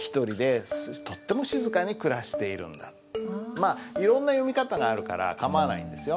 まあいろんな読み方があるから構わないんですよ。